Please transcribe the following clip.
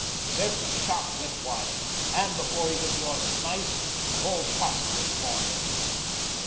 His every shot went wild, and before he could draw his knife, the whole posse was upon him.